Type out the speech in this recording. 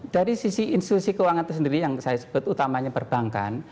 dari sisi institusi keuangan itu sendiri yang saya sebut utamanya perbankan